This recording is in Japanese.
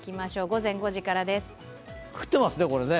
午前５時からです。